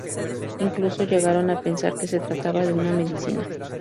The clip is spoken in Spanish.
Incluso llegaron a pensar que se trataba de una medicina.